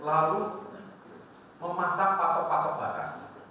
lalu memasang patok patok baras